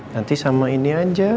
nanti sama ini aja